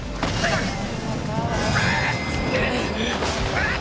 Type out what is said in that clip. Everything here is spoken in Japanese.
あっ！